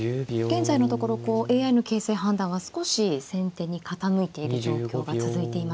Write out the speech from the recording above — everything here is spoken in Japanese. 現在のところＡＩの形勢判断は少し先手に傾いている状況が続いていますね。